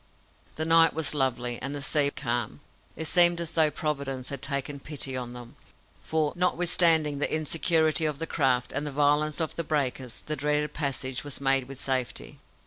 The night was lovely, and the sea calm. It seemed as though Providence had taken pity on them; for, notwithstanding the insecurity of the craft and the violence of the breakers, the dreaded passage was made with safety.